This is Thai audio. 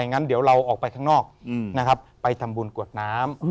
งั้นเดี๋ยวเราออกไปข้างนอกนะครับไปทำบุญกวดน้ำ